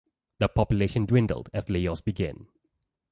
The population dwindled as layoffs began.